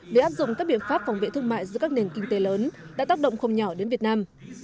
việc áp dụng các biện pháp phòng vệ thương mại giữa các nền kinh tế lớn đã tác động không nhỏ đến việt nam